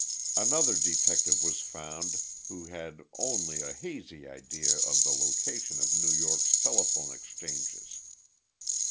Another detective was found who had only a hazy idea of the location of New York's telephone exchanges.